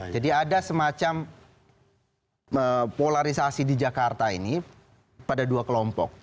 jadi ada semacam polarisasi di jakarta ini pada dua kelompok